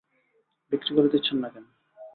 বিক্রি করে দিচ্ছেন না কেন?